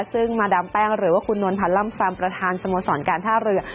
ซึ่งมาดามแป้งหรือว่าคุณนวลพันธ์ล่ำซำประธานสโมสรการท่าเรือ